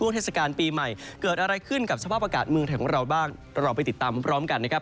เราไปติดตามมันพร้อมกันนะครับ